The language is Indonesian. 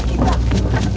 ayo kita kejar ke sana